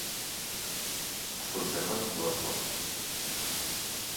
Es conserven dues portes.